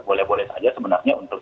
boleh boleh saja sebenarnya untuk